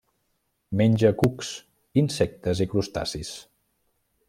Menja cucs, insectes i crustacis.